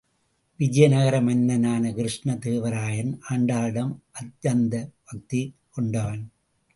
விஜயநகர மன்னனான கிருஷ்ண தேவராயன் ஆண்டாளிடம் அத்யந்த பக்தி கொண்டவன்.